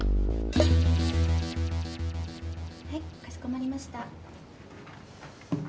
はいかしこまりました。